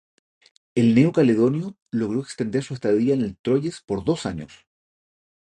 El neocaledonio logró extender su estadía en el Troyes por dos años.